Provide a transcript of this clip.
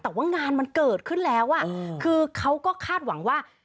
แต่ว่างานมันเกิดขึ้นแล้วอ่ะคือเขาก็คาดหวังว่า